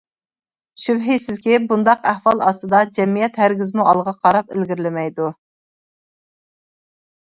شۈبھىسىزكى، بۇنداق ئەھۋال ئاستىدا، جەمئىيەت ھەرگىزمۇ ئالغا قاراپ ئىلگىرىلىمەيدۇ.